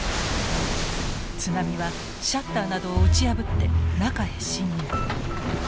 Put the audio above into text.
津波はシャッターなどを打ち破って中へ侵入。